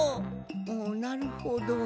おなるほど。